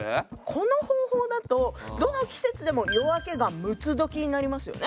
この方法だとどの季節でも夜明けが六つどきになりますよね。